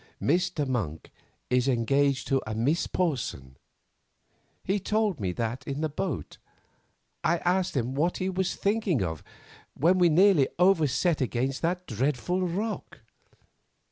"Mr. Monk is engaged to a Miss Porson. He told me that in the boat. I asked him what he was thinking of when we nearly over set against that dreadful rock.